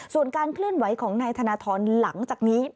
ส่วนการเคลื่อนไหวของนายธนทรหลังจากนี้